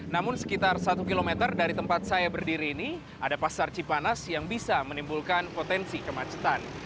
namun sekitar satu km dari tempat saya berdiri ini ada pasar cipanas yang bisa menimbulkan potensi kemacetan